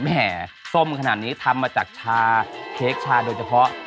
แห่ส้มขนาดนี้ทำมาจากชาเค้กชาโดยเฉพาะ